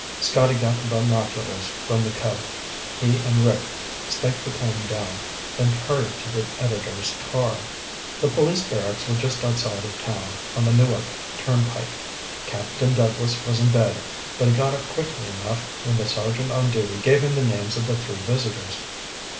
Scotty got the binoculars from the Cub. He and Rick staked the plane down, then hurried to the editor's car. The police barracks were just outside of town on the Newark turnpike. Captain Douglas was in bed, but he got up quickly enough when the sergeant on duty gave him the names of the three visitors.